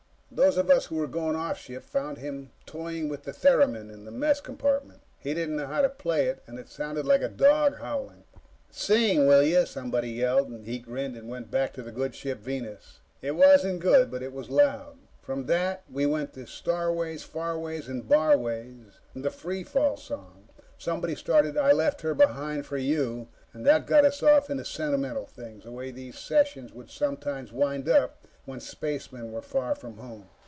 Those of us who were going off shift found him toying with the theremin in the mess compartment. He didn't know how to play it, and it sounded like a dog howling. "Sing, will you!" somebody yelled. He grinned and went back to the "Good Ship Venus." It wasn't good, but it was loud. From that, we went to "Starways, Farways, and Barways," and "The Freefall Song." Somebody started "I Left Her Behind For You," and that got us off into sentimental things, the way these sessions would sometimes wind up when spacemen were far from home.